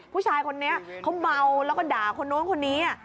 ผู้ชายคนนี้เขาเมาแล้วก็ด่าคนนู้นคนนี้